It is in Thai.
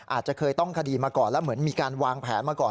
อาจจะเคยต้องคดีมาก่อนแล้วเหมือนมีการวางแผนมาก่อน